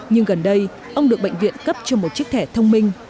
nhưng gần đây ông được bệnh viện cấp cho một chiếc thẻ thông minh